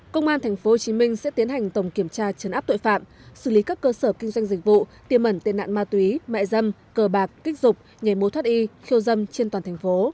công an tp hcm sẽ tiến hành tổng kiểm tra chấn áp tội phạm xử lý các cơ sở kinh doanh dịch vụ tiêm ẩn tệ nạn ma túy mại dâm cờ bạc kích dục nhảy mối thoát y khiêu dâm trên toàn thành phố